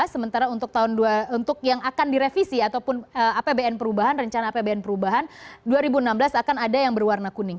sementara untuk yang akan direvisi ataupun rencana apbn perubahan dua ribu enam belas akan ada yang berwarna kuning